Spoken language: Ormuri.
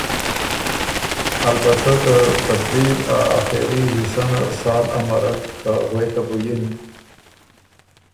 البته ته تقریر ا آخېري حصه نه سال امَرَک که غوېکه بُو یِن۔